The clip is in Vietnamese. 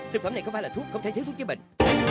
thực phẩm này có vai là thuốc không thể thiếu thuốc chế bệnh